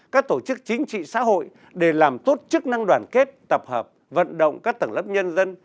các tổ chức chính trị xã hội để làm tốt chức năng đoàn kết tập hợp vận động các tầng lớp nhân dân